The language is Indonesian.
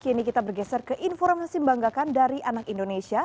kini kita bergeser ke informasi membanggakan dari anak indonesia